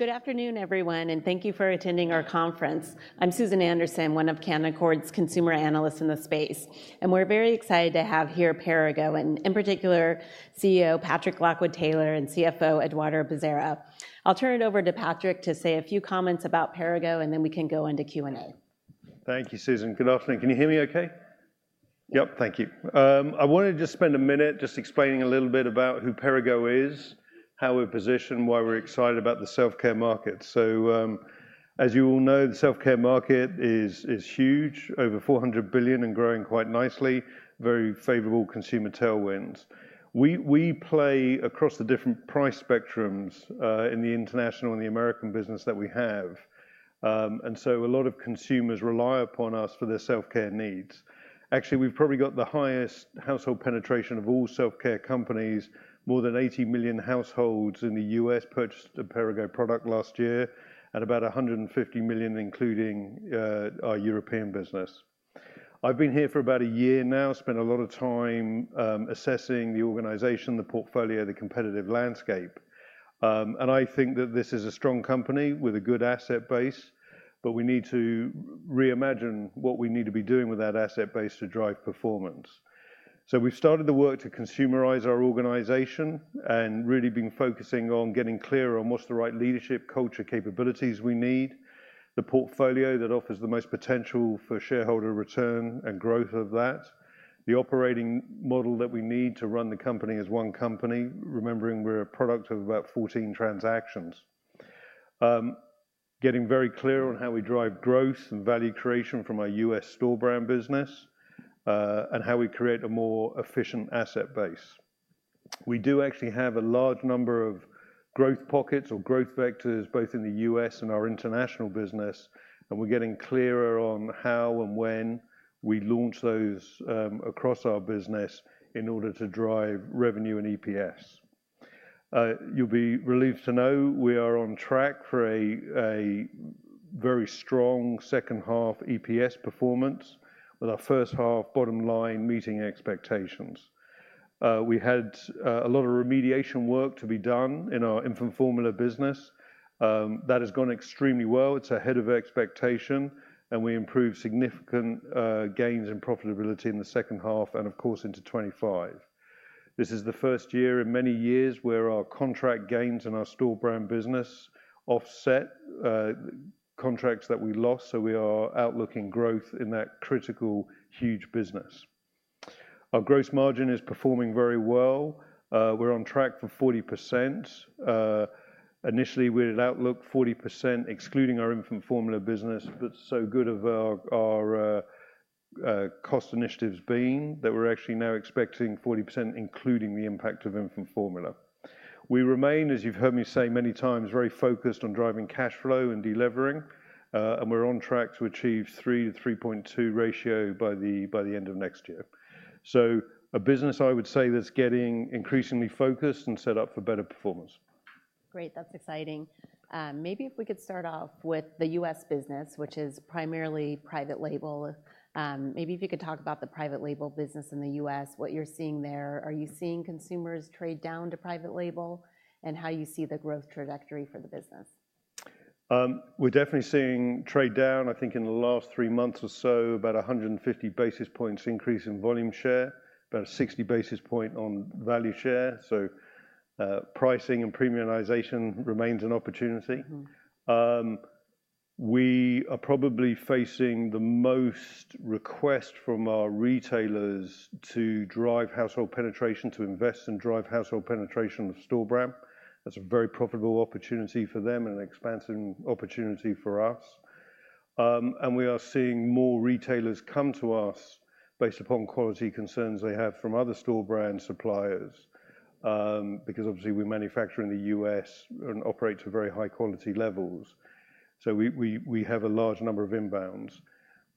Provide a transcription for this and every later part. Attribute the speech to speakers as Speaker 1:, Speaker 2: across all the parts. Speaker 1: Good afternoon, everyone, and thank you for attending our conference. I'm Susan Anderson, one of Canaccord's consumer analysts in the space, and we're very excited to have here Perrigo and in particular, CEO Patrick Lockwood-Taylor and CFO Eduardo Bezerra. I'll turn it over to Patrick to say a few comments about Perrigo, and then we can go into Q&A.
Speaker 2: Thank you, Susan. Good afternoon. Can you hear me okay? Yep, thank you. I wanted to just spend a minute just explaining a little bit about who Perrigo is, how we're positioned, why we're excited about the self-care market. So, as you all know, the self-care market is huge, over $400 billion and growing quite nicely. Very favorable consumer tailwinds. We play across the different price spectrums in the international and the American business that we have. And so a lot of consumers rely upon us for their self-care needs. Actually, we've probably got the highest household penetration of all self-care companies. More than 80 million households in the U.S. purchased a Perrigo product last year, and about 150 million, including our European business. I've been here for about a year now. Spent a lot of time, assessing the organization, the portfolio, the competitive landscape. I think that this is a strong company with a good asset base, but we need to reimagine what we need to be doing with that asset base to drive performance. So we've started the work to consumerize our organization and really been focusing on getting clear on what's the right leadership, culture, capabilities we need, the portfolio that offers the most potential for shareholder return and growth of that. The operating model that we need to run the company as one company, remembering we're a product of about 14 transactions. Getting very clear on how we drive growth and value creation from our U.S. store brand business, and how we create a more efficient asset base. We do actually have a large number of growth pockets or growth vectors, both in the U.S. and our international business, and we're getting clearer on how and when we launch those across our business in order to drive revenue and EPS. You'll be relieved to know we are on track for a very strong second half EPS performance, with our first half bottom line meeting expectations. We had a lot of remediation work to be done in our infant formula business. That has gone extremely well. It's ahead of expectation, and we improved significant gains in profitability in the second half and of course, into 2025. This is the first year in many years where our contract gains and our store brand business offset contracts that we lost, so we are outlooking growth in that critical, huge business. Our gross margin is performing very well. We're on track for 40%. Initially, we had outlooked 40%, excluding our infant formula business, but so good have our cost initiatives been that we're actually now expecting 40%, including the impact of infant formula. We remain, as you've heard me say many times, very focused on driving cash flow and delevering, and we're on track to achieve 3-3.2 ratio by the end of next year. So a business, I would say, that's getting increasingly focused and set up for better performance.
Speaker 1: Great, that's exciting. Maybe if we could start off with the U.S. business, which is primarily private label. Maybe if you could talk about the private label business in the U.S., what you're seeing there. Are you seeing consumers trade down to private label? And how you see the growth trajectory for the business?
Speaker 2: We're definitely seeing trade down. I think in the last three months or so, about 150 basis points increase in volume share, about a 60 basis point on value share. So, pricing and premiumization remains an opportunity.
Speaker 1: Mm-hmm.
Speaker 2: We are probably facing the most request from our retailers to drive household penetration, to invest and drive household penetration of store brand. That's a very profitable opportunity for them and an expansion opportunity for us. And we are seeing more retailers come to us based upon quality concerns they have from other store brand suppliers, because obviously, we manufacture in the U.S. and operate to very high quality levels. So we have a large number of inbounds.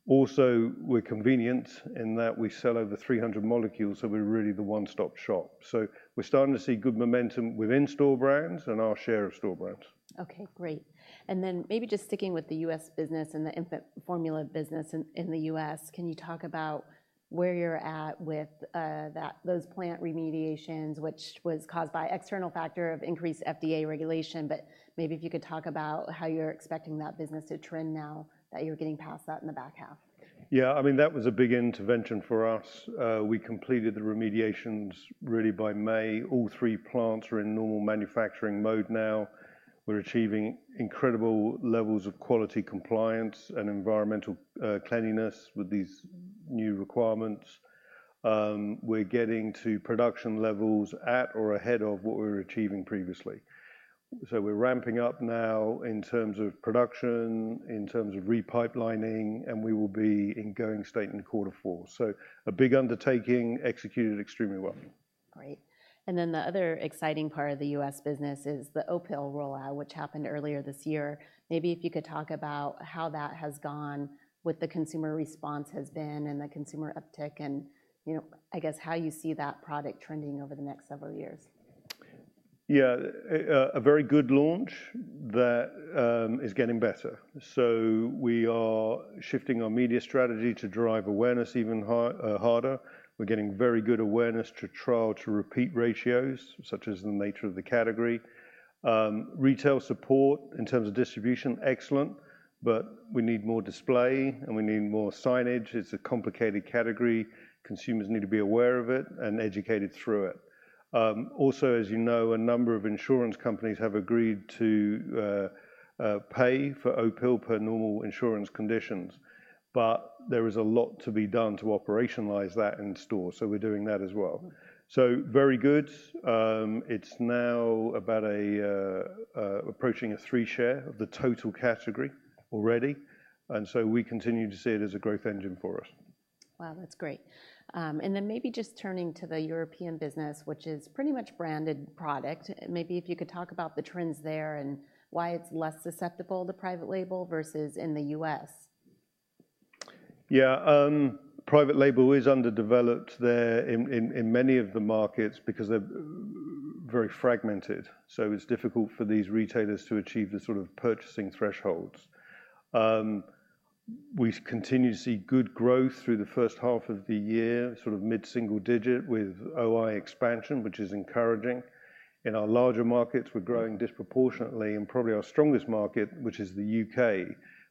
Speaker 2: Also, we're convenient in that we sell over 300 molecules, so we're really the one-stop shop. So we're starting to see good momentum within store brands and our share of store brands.
Speaker 1: Okay, great. Then maybe just sticking with the U.S. business and the infant formula business in the U.S., can you talk about where you're at with those plant remediations, which was caused by external factor of increased FDA regulation, but maybe if you could talk about how you're expecting that business to trend now that you're getting past that in the back half?
Speaker 2: Yeah, I mean, that was a big intervention for us. We completed the remediations really by May. All three plants are in normal manufacturing mode now. We're achieving incredible levels of quality, compliance, and environmental, cleanliness with these new requirements. We're getting to production levels at or ahead of what we were achieving previously. So we're ramping up now in terms of production, in terms of re-pipelining, and we will be in going state in quarter four. So a big undertaking, executed extremely well.
Speaker 1: Great. And then the other exciting part of the U.S. business is the Opill rollout, which happened earlier this year. Maybe if you could talk about how that has gone, what the consumer response has been and the consumer uptick, and, you know, I guess, how you see that product trending over the next several years. ...
Speaker 2: Yeah, a very good launch that is getting better. So we are shifting our media strategy to drive awareness even harder. We're getting very good awareness to trial, to repeat ratios, such as the nature of the category. Retail support, in terms of distribution, excellent, but we need more display, and we need more signage. It's a complicated category. Consumers need to be aware of it and educated through it. Also, as you know, a number of insurance companies have agreed to pay for Opill per normal insurance conditions, but there is a lot to be done to operationalize that in store, so we're doing that as well. So very good. It's now about approaching a 3 share of the total category already, and so we continue to see it as a growth engine for us.
Speaker 1: Wow, that's great. Then maybe just turning to the European business, which is pretty much branded product, maybe if you could talk about the trends there and why it's less susceptible to private label versus in the U.S.
Speaker 2: Yeah, private label is underdeveloped there in many of the markets because they're very fragmented, so it's difficult for these retailers to achieve the sort of purchasing thresholds. We continue to see good growth through the first half of the year, sort of mid-single digit with OI expansion, which is encouraging. In our larger markets, we're growing disproportionately, and probably our strongest market, which is the U.K.,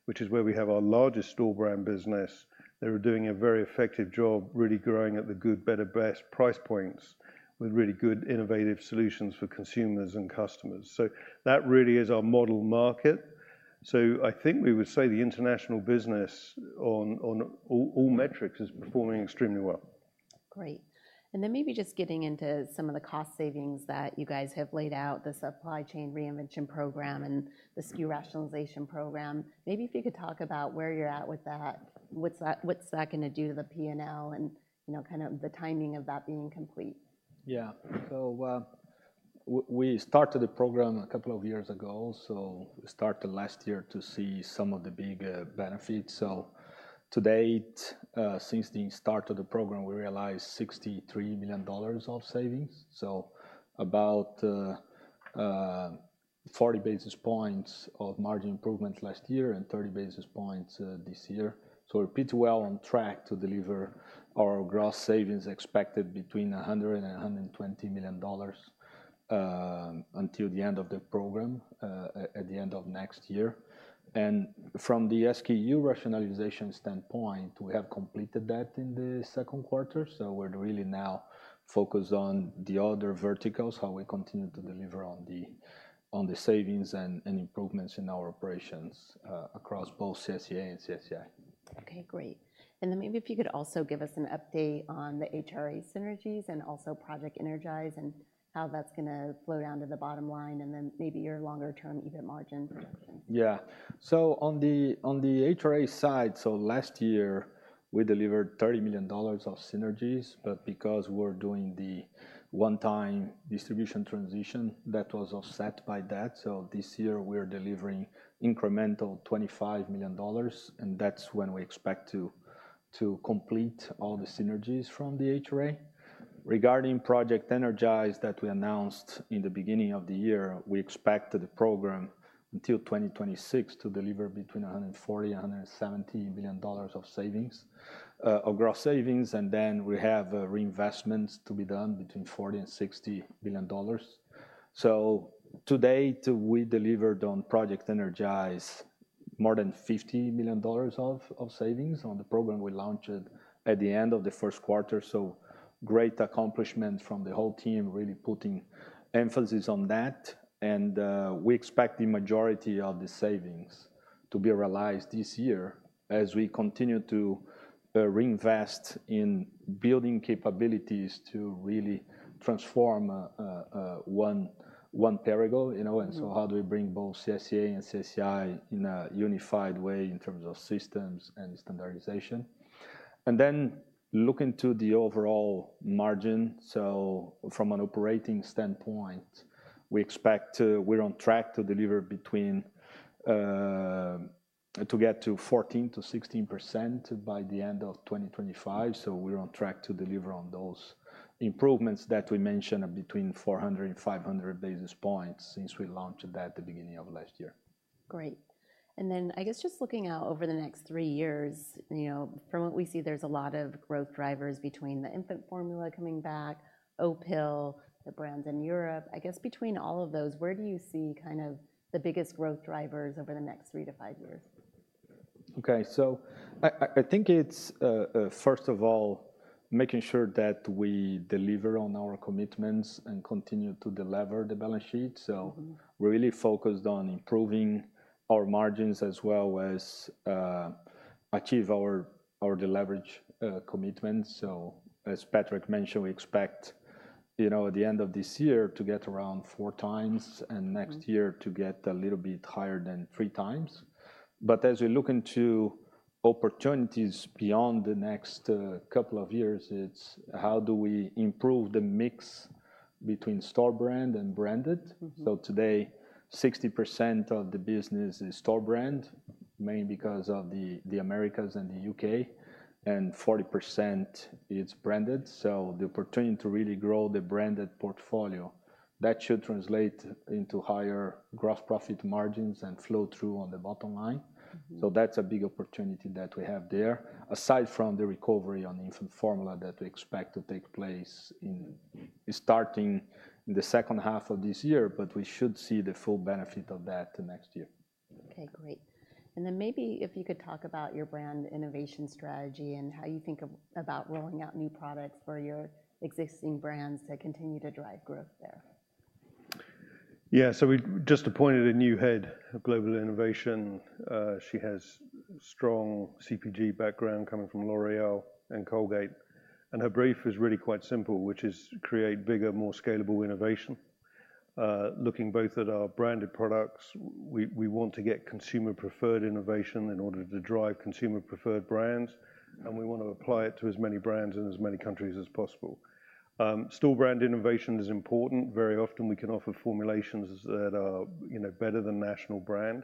Speaker 2: which is where we have our largest store brand business. They are doing a very effective job, really growing at the good, better, best price points with really good innovative solutions for consumers and customers. So that really is our model market. So I think we would say the international business on all metrics is performing extremely well.
Speaker 1: Great. And then maybe just getting into some of the cost savings that you guys have laid out, the supply chain reinvention program and the SKU rationalization program. Maybe if you could talk about where you're at with that, what's that, what's that gonna do to the P&L, and, you know, kind of the timing of that being complete?
Speaker 3: Yeah. So, we started the program a couple of years ago, so we started last year to see some of the big benefits. So to date, since the start of the program, we realized $63 million of savings, so about 40 basis points of margin improvement last year and 30 basis points this year. So we're pretty well on track to deliver our gross savings expected between $100 million and $120 million, until the end of the program, at the end of next year. And from the SKU rationalization standpoint, we have completed that in the second quarter, so we're really now focused on the other verticals, how we continue to deliver on the savings and improvements in our operations, across both CSCA and CSCI.
Speaker 1: Okay, great. And then maybe if you could also give us an update on the HRA synergies and also Project Energize and how that's gonna flow down to the bottom line, and then maybe your longer term EBIT margin projection.
Speaker 3: Yeah. So on the, on the HRA side, so last year, we delivered $30 million of synergies, but because we're doing the one-time distribution transition, that was offset by that. So this year, we're delivering incremental $25 million, and that's when we expect to, to complete all the synergies from the HRA. Regarding Project Energize that we announced in the beginning of the year, we expect the program until 2026 to deliver between $140 million and $170 million of savings, of gross savings, and then we have, reinvestments to be done between $40 billion and $60 billion. So to date, we delivered on Project Energize more than $50 million of savings on the program we launched at the end of the first quarter. So great accomplishment from the whole team, really putting emphasis on that. We expect the majority of the savings to be realized this year as we continue to reinvest in building capabilities to really transform one Perrigo, you know, and so how do we bring both CSCA and CSCI in a unified way in terms of systems and standardization? And then look into the overall margin. So from an operating standpoint, we expect to... We're on track to deliver between to get to 14%-16% by the end of 2025. So we're on track to deliver on those improvements that we mentioned between 400 and 500 basis points since we launched that at the beginning of last year.
Speaker 1: Great. And then I guess just looking out over the next 3 years, you know, from what we see, there's a lot of growth drivers between the infant formula coming back, Opill, the brands in Europe. I guess between all of those, where do you see kind of the biggest growth drivers over the next 3-5 years?
Speaker 3: Okay. So I think it's, first of all, making sure that we deliver on our commitments and continue to delever the balance sheet.
Speaker 1: Mm-hmm.
Speaker 3: So we're really focused on improving our margins as well as achieve our deleverage commitments. So as Patrick mentioned, we expect, you know, at the end of this year to get around 4 times-
Speaker 1: Mm-hmm...
Speaker 3: and next year to get a little bit higher than 3x. But as we look into opportunities beyond the next couple of years, it's how do we improve the mix between store brand and branded?
Speaker 1: Mm-hmm.
Speaker 3: So today, 60% of the business is store brand, mainly because of the Americas and the U.K., and 40% is branded. So the opportunity to really grow the branded portfolio, that should translate into higher gross profit margins and flow through on the bottom line.
Speaker 1: Mm-hmm.
Speaker 3: So that's a big opportunity that we have there, aside from the recovery on the infant formula that we expect to take place in, starting in the second half of this year, but we should see the full benefit of that next year.
Speaker 1: Okay, great. And then maybe if you could talk about your brand innovation strategy and how you think of, about rolling out new products for your existing brands that continue to drive growth there.
Speaker 2: Yeah. So we just appointed a new head of global innovation. She has strong CPG background coming from L'Oréal and Colgate, and her brief is really quite simple, which is create bigger, more scalable innovation. Looking both at our branded products, we, we want to get consumer-preferred innovation in order to drive consumer-preferred brands, and we want to apply it to as many brands in as many countries as possible. Store brand innovation is important. Very often, we can offer formulations that are, you know, better than national brand,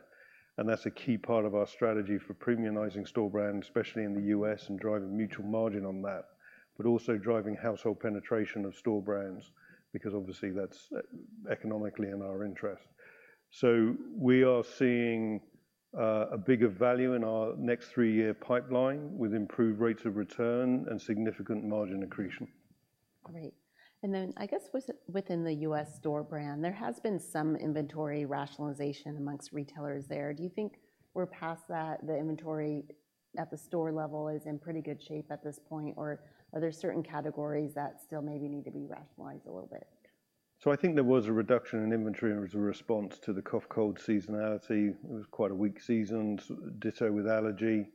Speaker 2: and that's a key part of our strategy for premiumizing store brand, especially in the U.S., and driving mutual margin on that. But also driving household penetration of store brands, because obviously, that's economically in our interest. So we are seeing a bigger value in our next three-year pipeline, with improved rates of return and significant margin accretion.
Speaker 1: Great. And then I guess within the U.S. store brand, there has been some inventory rationalization among retailers there. Do you think we're past that, the inventory at the store level is in pretty good shape at this point, or are there certain categories that still maybe need to be rationalized a little bit?
Speaker 2: So I think there was a reduction in inventory as a response to the cough, cold seasonality. It was quite a weak season, ditto with allergy.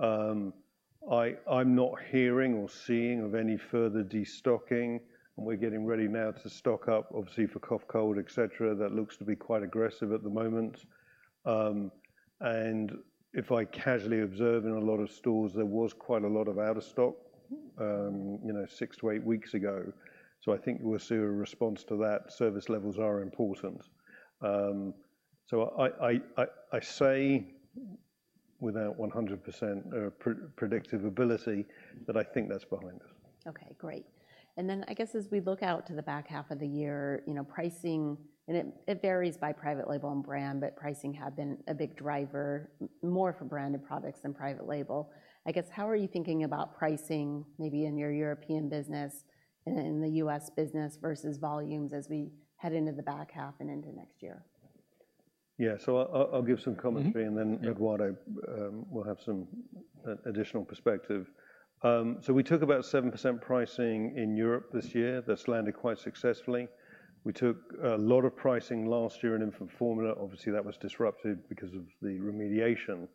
Speaker 2: I'm not hearing or seeing of any further destocking, and we're getting ready now to stock up, obviously, for cough, cold, et cetera. That looks to be quite aggressive at the moment. And if I casually observe, in a lot of stores, there was quite a lot of out-of-stock, you know, 6-8 weeks ago. So I think you will see a response to that. Service levels are important. So I say, without 100%, predictive ability, that I think that's behind us.
Speaker 1: Okay, great. And then I guess as we look out to the back half of the year, you know, pricing, and it, it varies by private label and brand, but pricing had been a big driver, more for branded products than private label. I guess, how are you thinking about pricing, maybe in your European business and in the U.S. business, versus volumes as we head into the back half and into next year?
Speaker 2: Yeah. So I'll give some commentary-
Speaker 1: Mm-hmm...
Speaker 2: and then Eduardo will have some additional perspective. So we took about 7% pricing in Europe this year. That's landed quite successfully. We took a lot of pricing last year in infant formula. Obviously, that was disrupted because of the remediation,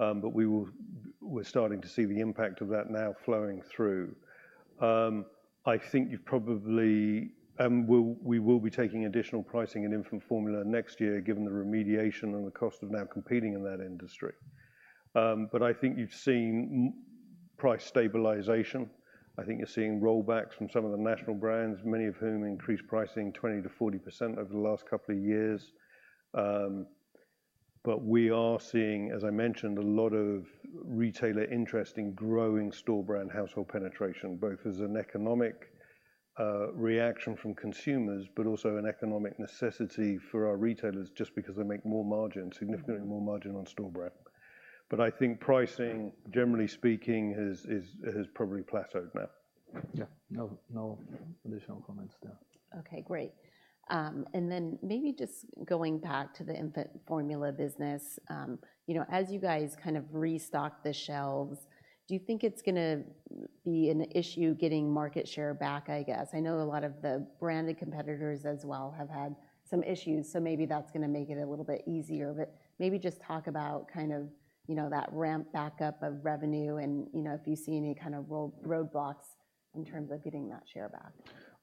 Speaker 2: but we're starting to see the impact of that now flowing through. I think you've probably we will be taking additional pricing in infant formula next year, given the remediation and the cost of now competing in that industry. But I think you've seen price stabilization. I think you're seeing rollbacks from some of the national brands, many of whom increased pricing 20%-40% over the last couple of years. But we are seeing, as I mentioned, a lot of retailer interest in growing store brand household penetration, both as an economic reaction from consumers, but also an economic necessity for our retailers, just because they make more margin, significantly more margin on store brand. But I think pricing, generally speaking, has probably plateaued now.
Speaker 3: Yeah. No, no additional comments there.
Speaker 1: Okay, great. Then maybe just going back to the infant formula business, you know, as you guys kind of restock the shelves, do you think it's gonna be an issue getting market share back, I guess? I know a lot of the branded competitors as well have had some issues, so maybe that's gonna make it a little bit easier. But maybe just talk about kind of, you know, that ramp back up of revenue and, you know, if you see any kind of roadblocks in terms of getting that share back.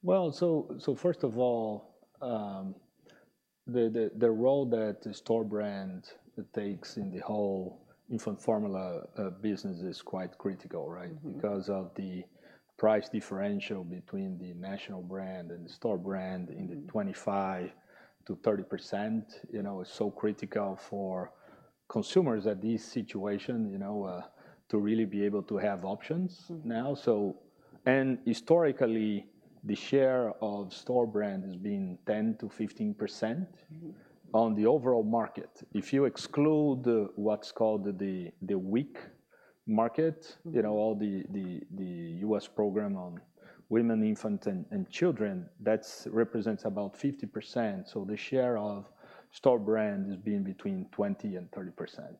Speaker 3: Well, so first of all, the role that the store brand takes in the whole infant formula business is quite critical, right?
Speaker 1: Mm-hmm.
Speaker 3: Because of the price differential between the national brand and the store brand in the 25%-30%, you know, is so critical for consumers at this situation, you know, to really be able to have options-
Speaker 1: Mm-hmm...
Speaker 3: now. Historically, the share of store brand has been 10%-15%-
Speaker 1: Mm-hmm...
Speaker 3: on the overall market. If you exclude what's called the WIC market-
Speaker 1: Mm-hmm...
Speaker 3: you know, all the U.S. program on women, infants, and children, that represents about 50%. So the share of store brand has been between 20%-30%.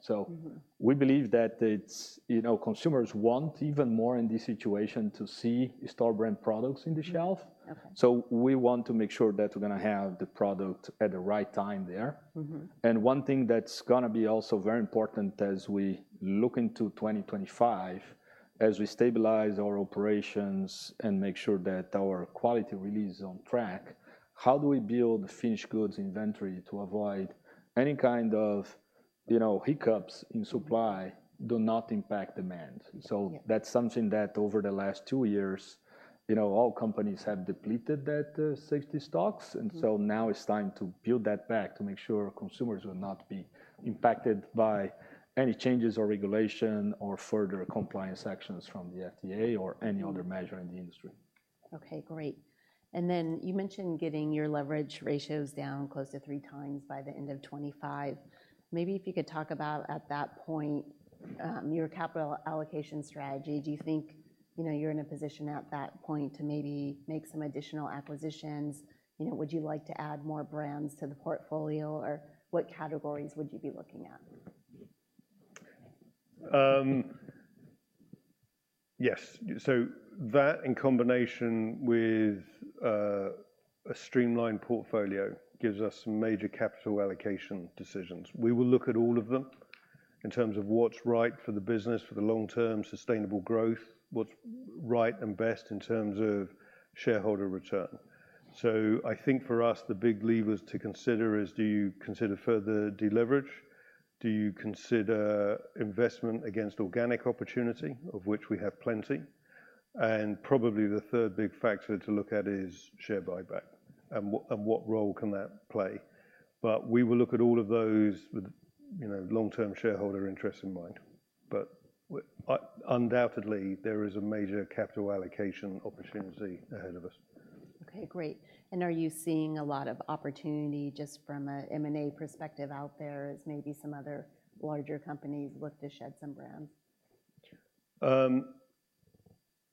Speaker 1: Mm-hmm.
Speaker 3: We believe that it's, you know, consumers want even more in this situation to see store brand products in the shelf.
Speaker 1: Mm-hmm. Okay.
Speaker 3: We want to make sure that we're gonna have the product at the right time there.
Speaker 1: Mm-hmm.
Speaker 3: One thing that's gonna be also very important as we look into 2025, as we stabilize our operations and make sure that our quality release is on track, how do we build finished goods inventory to avoid any kind of, you know, hiccups in supply do not impact demand.
Speaker 1: Yeah.
Speaker 3: That's something that over the last two years, you know, all companies have depleted that safety stocks.
Speaker 1: Mm-hmm.
Speaker 3: And so now it's time to build that back to make sure consumers will not be impacted by any changes or regulation or further compliance actions from the FDA or any other measure in the industry.
Speaker 1: Okay, great. And then you mentioned getting your leverage ratios down close to 3x by the end of 2025. Maybe if you could talk about, at that point, your capital allocation strategy. Do you think, you know, you're in a position at that point to maybe make some additional acquisitions? You know, would you like to add more brands to the portfolio, or what categories would you be looking at?
Speaker 2: Yes. So that, in combination with a streamlined portfolio, gives us some major capital allocation decisions. We will look at all of them in terms of what's right for the business, for the long-term sustainable growth, what's right and best in terms of shareholder return. So I think for us, the big levers to consider is: Do you consider further deleverage? Do you consider investment against organic opportunity, of which we have plenty? And probably the third big factor to look at is share buyback, and what role can that play? But we will look at all of those with, you know, long-term shareholder interests in mind. But undoubtedly, there is a major capital allocation opportunity ahead of us.
Speaker 1: Okay, great. Are you seeing a lot of opportunity just from a M&A perspective out there, as maybe some other larger companies look to shed some brands?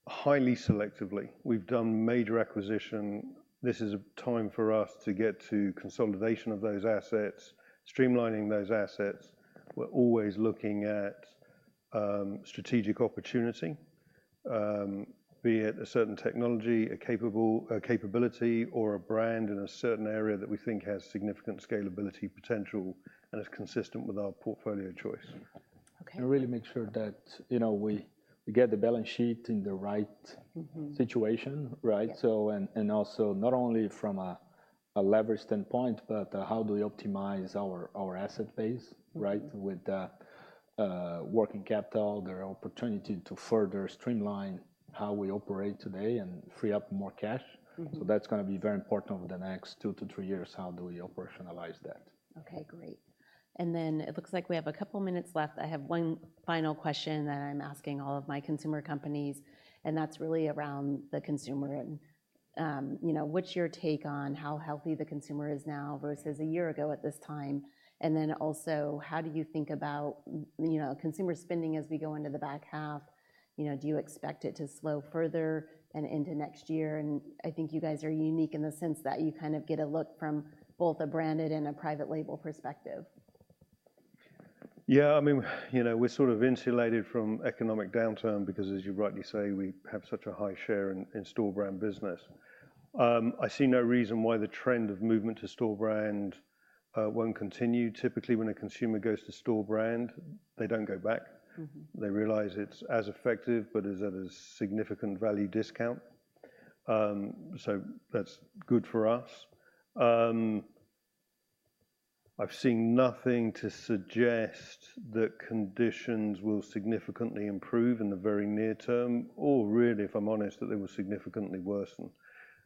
Speaker 2: Highly selectively. We've done major acquisition. This is a time for us to get to consolidation of those assets, streamlining those assets. We're always looking at, strategic opportunity, be it a certain technology, a capable, a capability, or a brand in a certain area that we think has significant scalability potential and is consistent with our portfolio choice.
Speaker 1: Okay.
Speaker 3: Really make sure that, you know, we get the balance sheet in the right-
Speaker 1: Mm-hmm...
Speaker 3: situation, right?
Speaker 1: Yeah.
Speaker 3: Also, not only from a leverage standpoint, but how do we optimize our asset base, right?
Speaker 1: Mm-hmm...
Speaker 3: with working capital, the opportunity to further streamline how we operate today and free up more cash.
Speaker 1: Mm-hmm.
Speaker 3: That's gonna be very important over the next 2-3 years, how do we operationalize that?
Speaker 1: Okay, great. And then it looks like we have a couple of minutes left. I have one final question that I'm asking all of my consumer companies, and that's really around the consumer. You know, what's your take on how healthy the consumer is now versus a year ago at this time? And then also, how do you think about, you know, consumer spending as we go into the back half? You know, do you expect it to slow further and into next year? And I think you guys are unique in the sense that you kind of get a look from both a branded and a private label perspective.
Speaker 2: Yeah, I mean, you know, we're sort of insulated from economic downturn because, as you rightly say, we have such a high share in store brand business. I see no reason why the trend of movement to store brand won't continue. Typically, when a consumer goes to store brand, they don't go back.
Speaker 1: Mm-hmm.
Speaker 2: They realize it's as effective, but is at a significant value discount. So that's good for us. I've seen nothing to suggest that conditions will significantly improve in the very near term or, really, if I'm honest, that they will significantly worsen.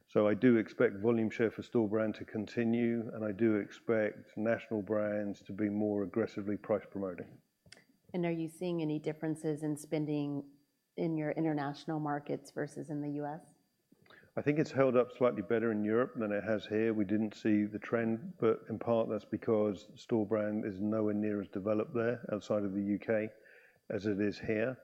Speaker 2: So I do expect volume share for store brand to continue, and I do expect national brands to be more aggressively price promoting.
Speaker 1: Are you seeing any differences in spending in your international markets versus in the U.S.?
Speaker 2: I think it's held up slightly better in Europe than it has here. We didn't see the trend, but in part, that's because store brand is nowhere near as developed there, outside of the U.K., as it is here.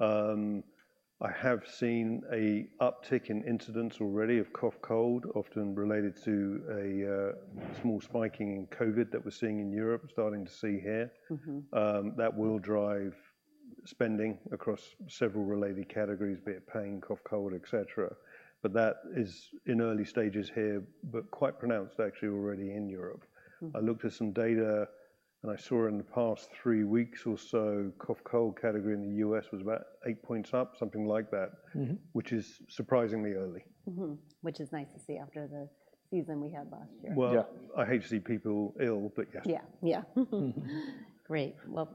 Speaker 2: I have seen an uptick in incidents already of cough, cold, often related to small spiking in COVID that we're seeing in Europe, starting to see here.
Speaker 1: Mm-hmm.
Speaker 2: That will drive spending across several related categories, be it pain, cough, cold, et cetera. That is in early stages here, but quite pronounced, actually, already in Europe.
Speaker 1: Mm.
Speaker 2: I looked at some data, and I saw in the past three weeks or so, cough, cold category in the U.S. was about eight points up, something like that-
Speaker 1: Mm-hmm...
Speaker 2: which is surprisingly early.
Speaker 1: Mm-hmm, which is nice to see after the season we had last year.
Speaker 2: Well-
Speaker 3: Yeah...
Speaker 2: I hate to see people ill, but yeah.
Speaker 1: Yeah, yeah. Great. Well,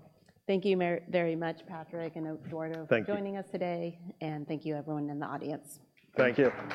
Speaker 1: thank you very, very much, Patrick and Eduardo-
Speaker 2: Thank you...
Speaker 1: for joining us today. Thank you everyone in the audience.
Speaker 2: Thank you.